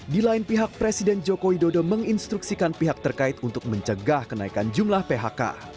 di lain pihak presiden joko widodo menginstruksikan pihak terkait untuk mencegah kenaikan jumlah phk